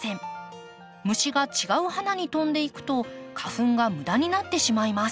虫が違う花に飛んでいくと花粉が無駄になってしまいます。